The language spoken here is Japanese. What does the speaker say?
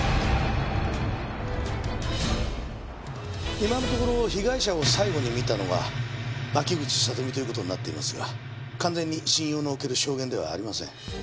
今のところ被害者を最後に見たのは牧口里美という事になっていますが完全に信用のおける証言ではありません。